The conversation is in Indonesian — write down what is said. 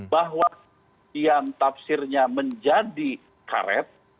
bahwa yang tafsirnya menjadi karet